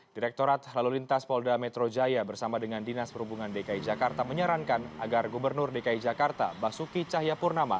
direktorat lalu lintas polda metro jaya bersama dengan dinas perhubungan dki jakarta menyarankan agar gubernur dki jakarta basuki cahayapurnama